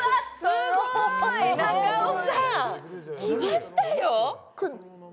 すごい中尾さんきましたよ